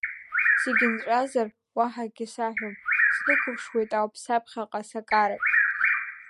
Зегь нҵәазар, уаҳа акгьы саҳәом, снықәыԥшуеит ауп саԥхьаҟа сакарак.